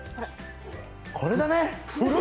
これだね。